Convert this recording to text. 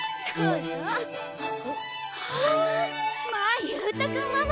まあ勇太君ママ！